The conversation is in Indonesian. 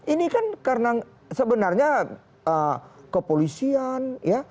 ini kan karena sebenarnya kepolisian ya